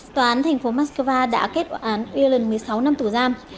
tòa án thành phố moscow đã kết quả án eonland một mươi sáu năm tù giam